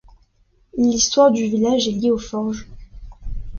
L’histoire du village est liée aux forges.